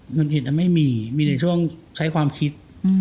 หุ่นหยิดอ่ะไม่มีมีช่วงใช้ความคิด